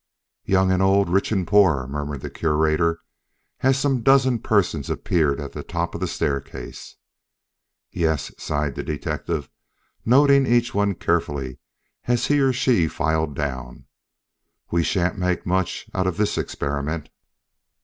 "Young and old, rich and poor," murmured the Curator as some dozen persons appeared at the top of the staircase. "Yes," sighed the detective, noting each one carefully as he or she filed down, "we sha'n't make much out of this experiment.